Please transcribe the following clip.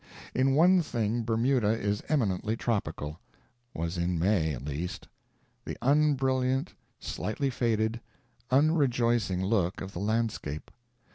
In one thing Bermuda is eminently tropical was in May, at least the unbrilliant, slightly faded, unrejoicing look of the landscape.